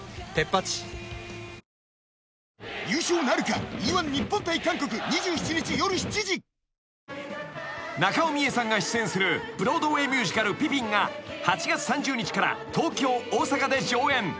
花王［中尾ミエさんが出演するブロードウェイミュージカル『ピピン』が８月３０日から東京大阪で上演］